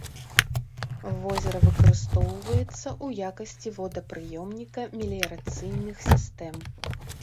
Возера выкарыстоўваецца ў якасці водапрыёмніка меліярацыйных сістэм.